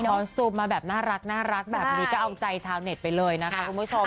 ออสตูมมาแบบน่ารักแบบนี้ก็เอาใจชาวเน็ตไปเลยนะคะคุณผู้ชม